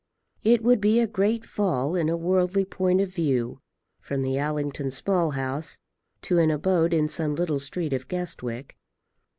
It would be a great fall in a worldly point of view, from the Allington Small House to an abode in some little street of Guestwick.